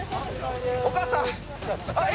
お母さん。